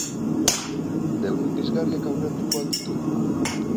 Neurri pizgarriak aurreratuko al ditu?